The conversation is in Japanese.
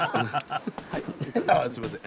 あすいません。